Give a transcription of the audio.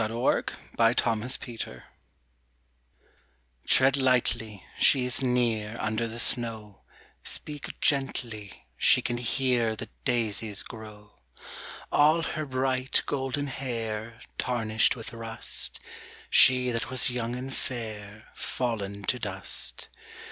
ROSA MYSTICA REQUIESCAT TREAD lightly, she is near Under the snow, Speak gently, she can hear The daisies grow. All her bright golden hair Tarnished with rust, She that was young and fair Fallen to dust.